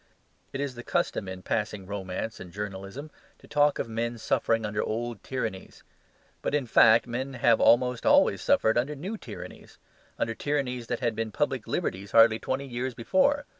It is the custom in passing romance and journalism to talk of men suffering under old tyrannies. But, as a fact, men have almost always suffered under new tyrannies; under tyrannies that had been public liberties hardly twenty years before.